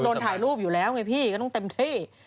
นถ่ายรูปอยู่แล้วไงพี่ก็ต้องเต็มที่